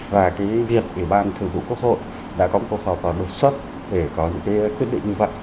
và việc ủy ban thư vụ quốc hội đã có một cuộc họp đột xuất để có những quyết định như vậy